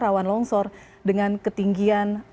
rawan longsor dengan ketinggian